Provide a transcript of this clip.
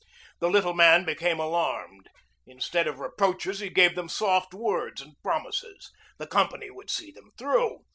The little man became alarmed. Instead of reproaches he gave them soft words and promises. The company would see them through.